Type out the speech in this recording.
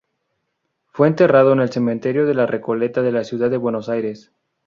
Fue enterrado en el cementerio de la Recoleta de la ciudad de Buenos Aires.